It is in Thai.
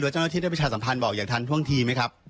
เจ้าหน้าที่ได้ประชาสัมพันธ์บอกอย่างทันท่วงทีไหมครับ